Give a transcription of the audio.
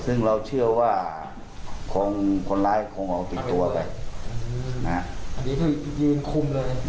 ซึ่งเราเชื่อว่าคงคนร้ายคงเอาติดตัวไปนะฮะอันนี้คือยืนคุมเลย